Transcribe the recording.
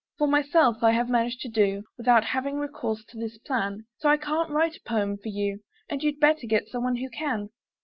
For myself, I have managed to do Without having recourse to this plan, So I can't write a poem for you, And you'd better get someone who can.